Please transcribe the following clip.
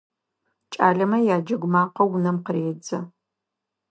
КӀалэмэ яджэгу макъэ унэм къыредзэ.